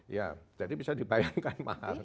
ya jadi bisa dibayangkan mas